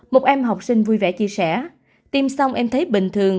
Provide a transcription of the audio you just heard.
một em học sinh vui vẻ chia sẻ tim xong em thấy bình thường